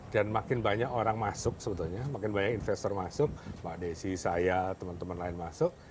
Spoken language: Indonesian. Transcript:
dan makin banyak orang masuk sebetulnya makin banyak investor masuk mbak desi saya teman teman lain masuk